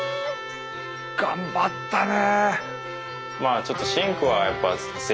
頑張ったね。